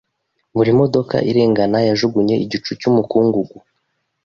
Buri modoka irengana yajugunye igicu cyumukungugu.